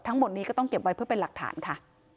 ทั้งหมดนี้ก็ต้องเก็บไว้เพื่อเป็นหลักฐานค่ะ